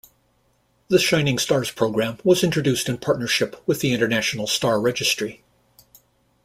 The Shining Stars program was introduced in partnership with the International Star Registry.